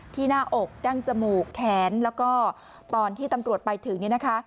หน้าอกดั้งจมูกแขนแล้วก็ตอนที่ตำรวจไปถึงเนี่ยนะคะ